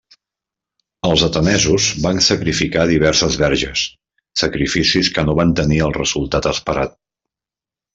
Els atenesos van sacrificar diverses verges, sacrificis que no van tenir el resultat esperat.